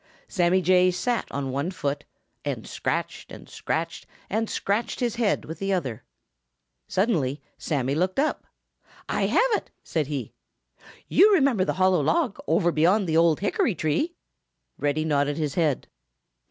Sammy Jay sat on one foot and scratched and scratched and scratched his head with the other. Suddenly Sammy looked up. "I have it!" said he. "You remember the hollow log over beyond the old hickory tree?" Reddy nodded his head.